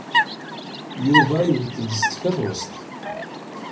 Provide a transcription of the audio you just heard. Yuba yuweḍ-d s tkeṛṛust.